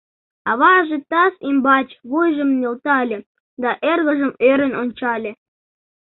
Аваже таз ӱмбач вуйжым нӧлтале да эргыжым ӧрын ончале.